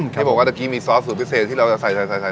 ที่บอกว่าเมื่อกี้มีซอสสูตรพิเศษที่เราจะใส่ลงไป